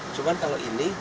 cuma kalau ini